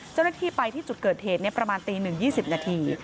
เจ้าหน้าที่ไปที่จุดเกิดเหตุประมาณตี๑๒๐นาที